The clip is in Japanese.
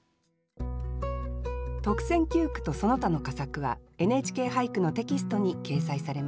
特選九句とその他の佳作は「ＮＨＫ俳句」のテキストに掲載されます。